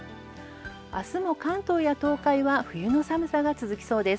明日も、関東や東海は冬の寒さが続きそうです。